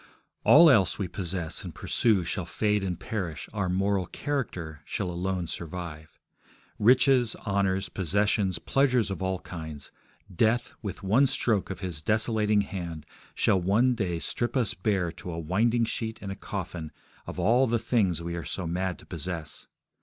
All else we possess and pursue shall fade and perish, our moral character shall alone survive. Riches, honours, possessions, pleasures of all kinds: death, with one stroke of his desolating hand, shall one day strip us bare to a winding sheet and a coffin of all the things we are so mad to possess.